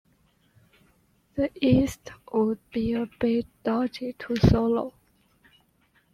The East would be a bit dodgy to solo.